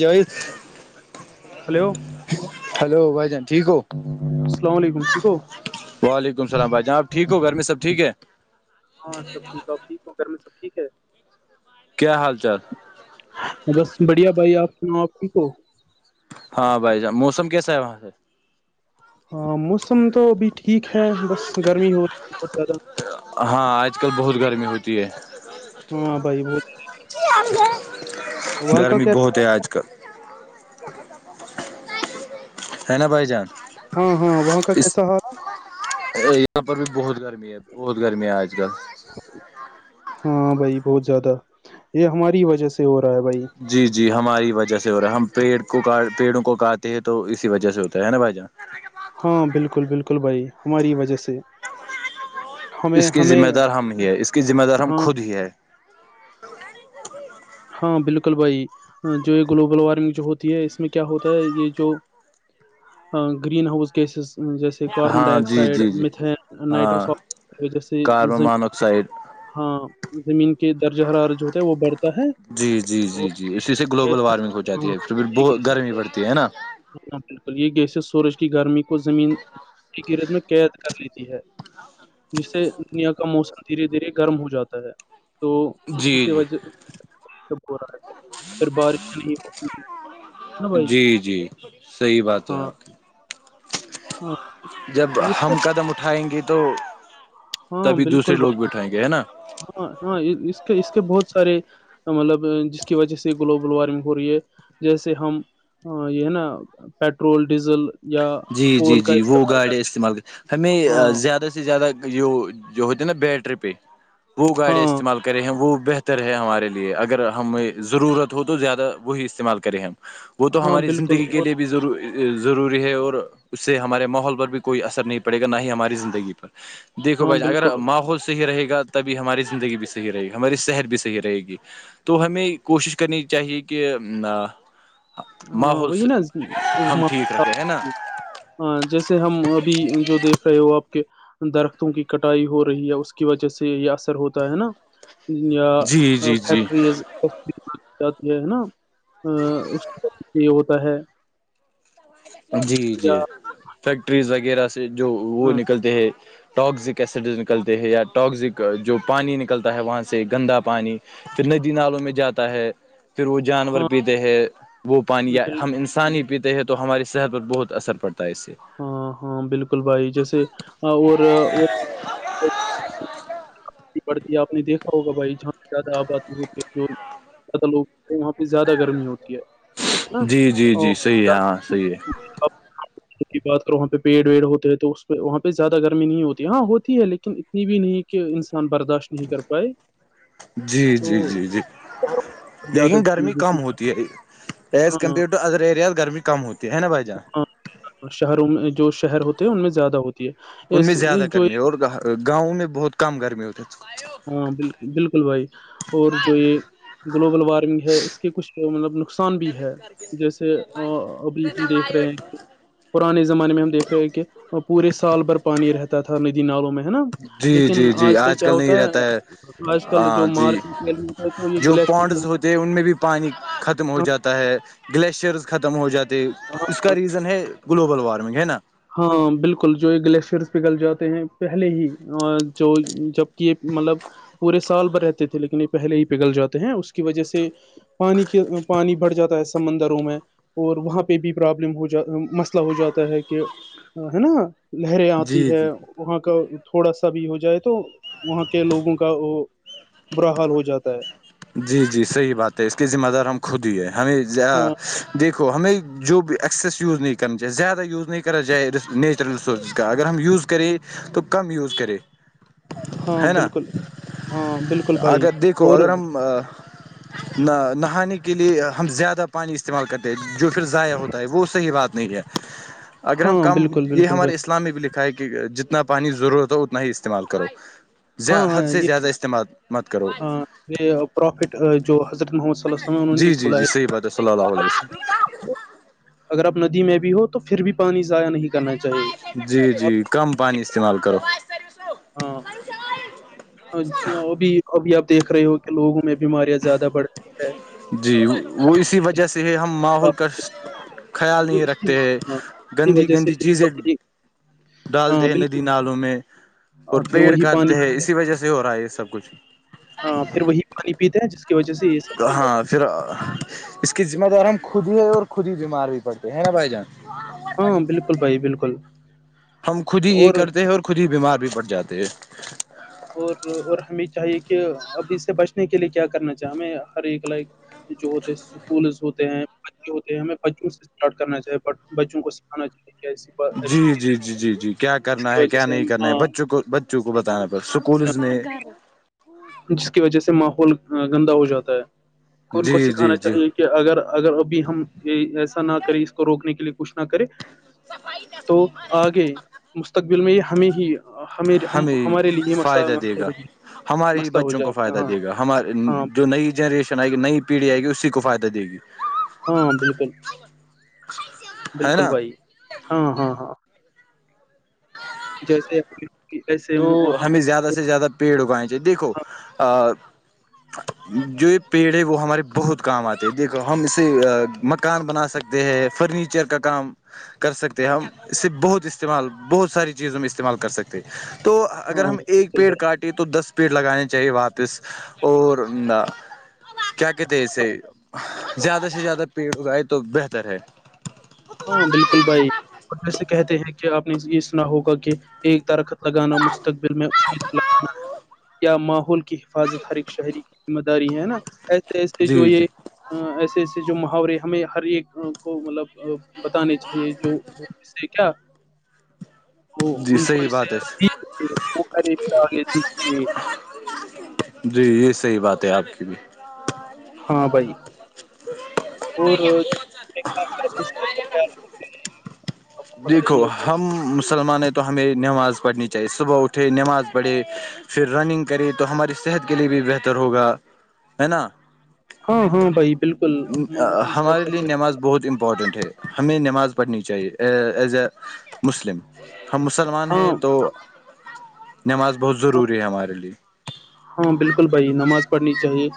جو hello hello بھائی جن السلام علیکم ٹھیک ہو وعلیکم السلام بھائی جان آ ٹیک ہو گھر میں سب ٹھیک ہے ہاں سب ٹھیک ہے آپ ٹھیک ہو گھر میں سب ٹھیک ہے کیا حال چال بس بڑھیا بھائی آپ سناؤ آپ ٹھیک ہو ہاں بھائی جان موسم کیسا ہے وہاں سے ہاں موسم تو ابھی ٹھیک ہے بس گرمی ہو رہی ہے بہت زیادہ ہاں آج کل بہت گرمی ہوتی ہے ہاں بھائی بہت وہاں کا گرمی کیا بہت ہے آج کل ہے نا بھائی جان ہاں ہاں بک کش اس یہاں پر بھی بہت گرمی ہے بہت گرمی ہے آج کل ہاں بھائی بہت زیادہ یہ ہماری وجہ سے ہو رہا ہے بھائی جی جی ہماری وجہ سے ہو رہا ہے ہم پیڑ کو پیڑوں کو کاتے ہیں تو اسی وجہ سے ہوتا ہے نا بھائی جان ہاں بالکل بالکل بھائی ہماری وجہ سے ہمیں اس کی ہمیں ذمہ دار ہم ہی ہے اس کی ذمہ دار ہم ہاں خود ہی ہے ہاں بالکل بھائی جو یہ گلوبل وارمنگ جو ہوتی ہے اس میں کیا ہوتا ہے یہ جو گرین ہاؤس کیسز جیسے کاربن ہاں ڈائی جی آکسائڈ جی جی میتھیین نائٹروس ہاں کاربن مانکسائڈ ہاں زمین کے درجہ حرار جو ہوتا ہے وہ بڑھتا ہے جی جی جی اور جی اسی سے گلوبل گیسز وارمنگ ہو جاتی ہاں ہے پھر بھی یہ بت گیسز گرمی پڑتی ہے نا ہاں بالکل یہ گیسی سورج کی گرمی کو زمین ایک رت میں قید کر لیتی جس سے دنیا کا موسم دھیرے دھیرے گرم ہو جاتا ہے تو جی اسی جی وجہ یہ سب ہو رہا تھا پھر بارش بائی جی جی صحیح بات ہے ہاں آپ کی ہاں جب اس کا ہم قدم اٹھائیں گے تو ہاں تبھی دوسرے بالکل ب لوگ بھی اٹھائیں گے ہے نا ہاں ہاں اس کے اس کے بہت سارے مطلب جس کی وجہ سے گلوبل وارمنگ ہو رہی ہے جیسے ہم ا یہ ہے نا پٹرول ڈیزل یا جی جی کول کا جی وہ استعمال گاڑیاں کرتے استعمال کر ہمیں ہیں ہاں زیادہ زیادہ یہ جو ہوتے نا بیٹری پہ وہ گاڑیاں ہاں استعمال کرے ہیں وہ بہتر بہتر ہے ہمارے لیے اگر ہمیں ضرورت ہو تو زیادہ وہی استعمال کریں ہم وہ تو ہاں ہماری بالکل زندگی کے اور لیے بھی ضروری ہے اور اس سے ہمارے ماحول پر بھی کوئی اثر نہیں پڑے گا نہ ہی ہماری زندگی پر دیکھو ہاں بھائی اگر بالکل ماحول صحیح رہے گا تبھی ہماری زندگی بھی صحیح رہے گی ہماری صحت بھی صحیح رہے گی تو ہمیں کوشش کرنی چاہیے کہ ہاں ماحول وہی سے نا ز- ہم ما- ٹھیک رکھے ہے نا جیسے ہم ابھی جو دیکھ رہے ہو آپ کے درختوں کی کٹائی ہو رہی ہے اس کی وجہ سے یہ اثر ہوتا ہے نا یا جی جی جی فیکٹریز جات ہے ہے نا اس وجہ یہ ہوتا ہے جی جی یا فیکٹریز وغیرہ سے جو وہ نکلتے ہے ٹواکزک ایسڈز نکلتے ہیں یا ٹاکزک جو پانی نکلتا ہے وہاں سے گندا پانی پھر ندی نالوں میں جاتا ہے پھر وہ جانور ہاں پیتے ہیں وہ پانی یا بال ہم انسان ہی پیتے ہیں تو ہماریے صحت پر بہت اثر پڑتا ہے اس سے ہاں ہاں بالکل بھائی جیسے اور پڑتی ہے آپ نے دیکھا ہوگا بھائی جہاں زیادہ آبادی ہوتی ہے جو زیادہ لوگ وہاں پہ زیادہ گرمی ہوتی ہے ہے نا جی جی جی اور صحیح ہے ہاں زیادہ- صحیح ہے آپ کی بات کرو وہاں پہ پیڑ ویڑ ہوتے ہیں تو پہ وہاں پہ زیادہ گرمی نہیں ہوتی ہاں ہوتی ہے لیکن اتنی بھی نہیں کہ انسان ان برداشت نہیں کر پائے جی تو جی جی جی زیادہ لیکن گرمی چیز کم ہوتی ہے ایز ہاں کمپیئر ٹو ادر ایریاز گرمی کم ہوتی ہے نا بھائی جان ہاں شہروں میں جو شہر ہوتے ہیں ان میں زیادہ ہوتی ہے ان میں زیادہ جو گرمی ہے ایک اور گاؤں میں بہت کم گرمی ہوتس ہاں بالل بالکل بھائی اور جو یہ گلوبل وارمنگ ہے اس کے کچھ تو مطلب نقصان بھی ہے جیسے ابھی ہم دیکھ رہے ہیں پرانے زمانے میں ہم دیکھ رہے ہیں کہ پورے سال بھر پانی رہتا تھا ندی نالوں میں ہے نا جی لیکن جی جی آج کل کیا ہوتا نہیں رہتا ہے آج کل جو ہاں جی مارکل ہے تو یہ جو گلیک پونڈز ہوتے ان میں بھی پانی ختم ہو جاتا ہے گلیشئرز ختم ہو جاتے اس کا ریزن ہے گلوبل وارمنگ ہے نا ہاں بالکل جو یہ گلیشئرس پگل جاتے ہیں پہلے ہی جو جبک یہ مطلب پورے سال ب رہتے تھے لیکن یہ پہلے ہی پگل جاتے ہیں اس کی وجہ سے پانی کے پانی بھر جاتا ہےسے سمندروں میں اور وہاں پہ بھی پرابلم ہو جا مسئلہ ہو جاتا ہے کہ ہے نا لہریں آتی جی ہے جی وہاں کا تھوڑا سا بھی ہو جائے تو وہاں کے لوگوں کا وہ برا حال ہو جاتا ہے جی جی صحیح بات ہے اس کے ذمہ دار ہم خود ہی ہے ہمیں ہاں دیکھو ہمیں جو بھی ایکسیس یوز نہیں کرنا چاہیے زیادہ یوز نہیں کرنا جائے نیچرل ریسورسز کا اگر ہم یوز کرے تو کم یوز کرے ہاں بالکل ہاں بالکل بھائی اگر دیکھو اور اگر ہم نہ نہانے کے لیے ہم زیادہ پانی استعمال کرتے جو پھر ضائع ہوتا ہے وہ صحیح بات نہیں ہے اگر ہم ہاں کم بالکل یہ بالکل بھائی ہمارے اس اسلامک لکھا ہے کہ جتنا پانی ضرورت ہو اتنا ہی استعمال کرو ز ہاں حد ہاں سے یہ زیادہ استعمال مت کرو ہاں یہ پروفٹ جو حضرت محمد صلیس انہوں جی نے جی جی صحیح بلایا بات ہے صلی اللہ علیہ وسلم اگر آپ ندی میں بھی ہو تو پھر بھی پانی ضائع نہیں کرنا چاہیے جی اور جی کم پانی استعمال کرو ہاں ابھی ابھی آپ دیکھ رہے ہو کہ لوگوں میں بیماریاں زیادہ بڑھ رہی ہے جی وہ اسی وجہ سے ہے ہم ماحول کا خیال نہیں رکھتے ہیں ہاں، اسی گندی وجہ سے گندی یہ چیزیں پانی- ہاں ڈالتے ہیں ندی بالکل نالوں میں اور ہاں، پھر پیڑ وہی کاٹتے پانی ہے پیتے ہیں اسی وجہ سے ہو رہا ہے یہ سب کچھ ہاں پھر وہی پانی پیتے ہیں جس کی وجہ سے یہ سب ہوتا ہاں پھر اس کی ذمہ دار ہم خود ہی ہے اور خود ہی بیمار بھی پڑتے ہیں بھائی جان ہاں بالکل بھائی بالکل ہم خود ہی یہ کرتے ہیں اور خود ہی بیمار بھی پڑٹ جاتے ہیں اور اور ہمیں چاہیے کہ اب اس سے بچنے کے لیے کیا کرنا چاہے ہمیں ہر ایک لائک جو ہوتے ہیں اسکولز ہوتے ہیں ہوتے ہے ہمیں بچوں سے اسٹارٹ کرنا چاہ بچوں کو سکھانا چاہیے کہ ایسی با- جی ایسی جی چیزیں نہیں جی جی جی کیا جس کرنا کی ہے وجہ کیا سے نہیں کرنا ہے ہاں، بچوں کو کو بتانا پ اسکولز میں جس کی وجہ سے ماحول گندا ہو جاتا ہے ان کو جی جی سکھانا جی چاہیے کہ کہ اگر اگر ابھی ہم ایسا نہ کریں اس کو روکنے کے لیے کچھ نہ کریں تو آگے مستقبل میں ہمیں ہی ہم ہم ہمیں ہمارے لیے یہ فائدہ مسئلہ دے گا ہمارے ہی مسئلہ ہو بچوں جائے کو فائدہ ہاں دے گا ہمار ہاں جو نئی جنریشن آئے گ نئی پیڑھی آئے گی اسی کو فائدہ دے گی ہاں بالکل ہے بالکل نا بھائی ہاں ہاں ہاں جیسے ایسے تو مو- ہاں ہمیں زیادہ سے زیادہ پیڑ اگیں چ دیکھو ا جو یہ پیڑ ہے وہ ہمارے بہت کام آتے ہے دیکھو ہم اسے مکان بنا سکتے ہیں فرنیچر کا کام کر سکتے ہیں ہم اس سے بہت استعمال بہت ساری چیزوں میں استعمال کر سکتے تو اگر ہاں ہم ایک بالکل پیڑ بھائی کاٹے تو دس پیڑ لگانانی چاہیے واپس اور کیا کہتے ہیں اسے زیادہ سے زیادہ پیٹزئے تو بہتر ہے ہاں بالکل بھائی جسے کہتے ہیں کہ آپ نے اس ہوگا کہ ایک درخت لگانا مستقبل میں امید لگانا ہے یا ماحول کی حفاظت ہر ایک شہری کی ذمہ داری ہے نا ایسے ایسے جو جی جی یہ ایسے ایسے جو محاورے ہمیں ہر ایک کو مطلب بتانے چاہیے جو وہ اس سے کیا وہ جی ان کو صحیح اس بات ہے سے وہے د میں جی یہ صحیح بات ہے آپ کی بھی ہاں بھائی اورار دیکھو ہم مسلمانیں تو ہمیں نماز پڑھنی چاہیے صبح اٹھے نماز پڑھے پھر رننگ کرے تو ہماری صحت کے لیے بھی بہتر ہوگا ہے نا ہاں ہاں بھائی بالکل میں اپنی صحت ہمارے کا لیے خیال نماز بہت امپورٹنٹ ہے ہمیں نماز پڑھنی چاہیے ایز اے مسلم ہم مسلمان ہاں ہیں تو نماز بہت ہاں ضروری ہے ہمارے لیے ہاں بالکل بھائی نماز پڑھنی چاہیے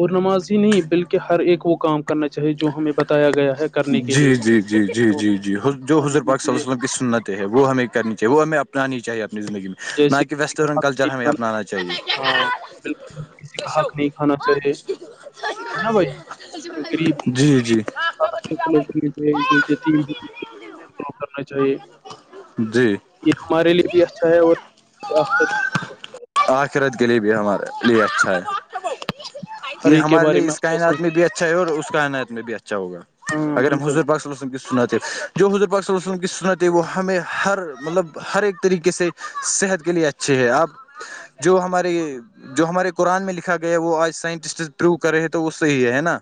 اور نماز ہی نہیں بلکہ ہر ایک وہ کام کرنا چاہیے جو ہمیں بتایا گیا ہے کرنے کے جی لیے جی جی جی جی جی جو حضور پاک ص السلام کی سنت ہے وہ ہمیں کرنی چاہیے وہ ہمیں اپنانی چاہے اپنی زندگی میں نہ جیسے کہ کسی کا ویسٹرن حق کلچر ہمیں اپنانا چاہیے بالل کسی کا حق نہیں کھانا چاہیے ہے نا بھائی غریب جی جی غب و تین ڈر کرنا چاہیے جی یہ ہمارے لیے بھی اچھا ہے اور آخرت گلیے بھی ہمار لیٹ چائے ہر یہ ایک کے ہمارے بارے لیے میں اس اچھا کائنات سوچ میں بھی اچھا ہے اور اس کا ائنعت میں بھی اچھا ہوگا ہاں اگرر ہم بالکل حضر باک سناتے جو حضور پاک ص وسلم کی سناتے وہ ہمیں ہر مطلب ہر ایک طریقے سے صحت کے لیے اچھھی ہے اب جو ہمارے جو ہمارے قرآن میں لکھا گیا ہے وہ آج سائنٹسٹ پروو کر رہے ہیں تو وہ صحیح ہے نا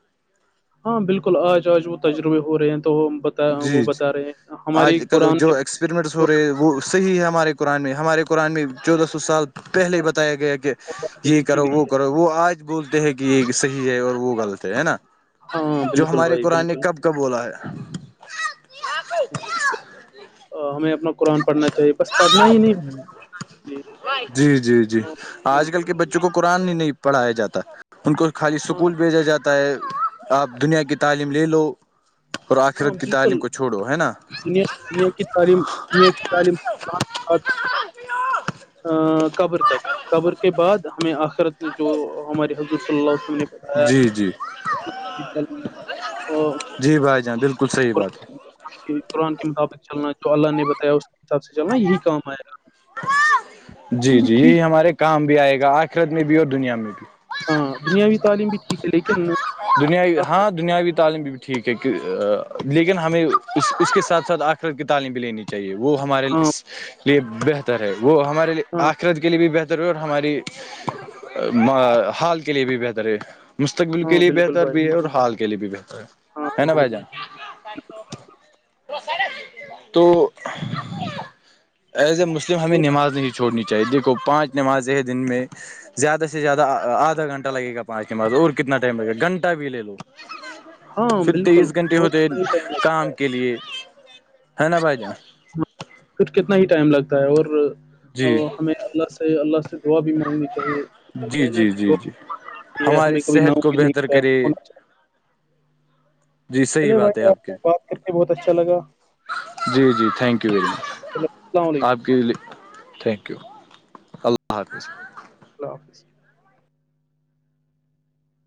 ہاں بالکل آج آج وہ تجربے ہو رہے ہیں تو وہ بتا وہ جی بتا رہے ہیں ہماری قرآن ایکپریمنٹس ہو رہے ہیں وہ صحیح ہے ہمارے قرآن میں ہمارے قرآن میں چودہ سو سال پہلے ہی جو بتایا گیا کہ باتیں یہ لکھی کرو وہ گئی ہے کرو وہ آج بولتے ہیں کہ یہ صحیح ہے اور وہ غلط ہے نا ہاں جو بالکل ہمارے بھائی قرآن بالکل کب کا بولا ہے ہمیں اپنا قرآن پڑھنا چاہیے بس پڑھنا ہی نہیں پڑھنا چاہیے جی جی جی آج کل آ، کے بچے کو قآن ہی نہیں پڑھایا جاتا ان کو خالی ہاں اسکول بھیجا جاتا ہے آپ دنیا کی تعلیم لے لو اور ہاں آخرت کی تعلیم بالکل کو چھوڑو ہے نا دنیا دنیا کی تعلیم دنیا کی تعلیم قبر تک قبر کے بعد ہمیں آخرت نے جو ہمارے حضر صلی اللہ علیہ وسلم نے کہاں ہے جی جی [unintelligible] [inaudible] اج کل وہ جی بھائی جاں بالکل صحیح بات ہے کہ قرآن کے مطابق چلنا جو اللہ نے بتایا اس کے حساب سے چلنا یہی کام آئے گا جی جی یہی ہمارے کام بھی آئے گا آخرت میں بھی اور دنیا میں بھی ہاں دنیاوی تعلیم بھی ٹھیک ہے لیکن دنیا ہاں دنیاوی تعلیم بھی ٹھیک ہے لیکن ہمیں اس اس کے ساتھ ساتھ آخرت کی تعلیم بھی لینی چاہیے وہ ہمارے ہاں اس لیے بہتر ہے وہ ہمارے لیے ہاں آخرت کے لیے بھی بہتر پھر ہماری حال کے لیے بھی بہتر ہے مستق کے ہاں لیے بالکل بہتر بھائی بھی ہے اور حال کے لیے بھی بہتر ہاں ہے ہے ہاں نا بھائی جان بالکل تو ایجے مسلم ہمیں اور نماز نہیں چھوڑنی چاہیے دیکھو پانچ نمازیں ہیں دن میں زیادہ سے زیادہ آدھا گھنٹہ لگے گا پانچ نمازوں اور کتنا ٹائم لگے گا گھنٹہ بھی لے لو ہاں پھر بالکل تیئیس گھنٹے اور ہوتے ہے کتنا ہی ٹائم لگتا کام ہے کے لیے ہے نا بھائی جان ہاں، پھر کتنا ہی ٹائم لگتا ہے اور جی ہمیں اللہ سے اللہ سے دعا بھی مانگنی چاہیے جی کہنا جی کہ جی وہ جی اتی ہے ہماری ہمیں کبھی صحت کو ناامید نہیں بہتر کر کرے ہونا چاہیے جی صحیح چلے بات ہے بھائی آپ کی سے بات کر کے بہت اچھا لگا جی جی تھینک یو ویری چلو السلام مچ علیکم آپ کی لیہ تھینک یو اللہ حافظ اللہ حافظ